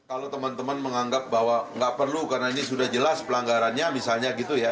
kalau teman teman menganggap bahwa nggak perlu karena ini sudah jelas pelanggarannya misalnya gitu ya